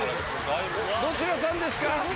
どちらさんですか？